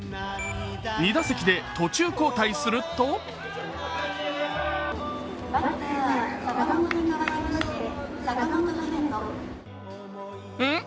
２打席で途中交代するとうん？